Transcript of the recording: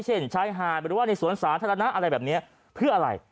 เช่นชายหาดหรือว่าในสวนสาธารณะอะไรแบบนี้เพื่ออะไร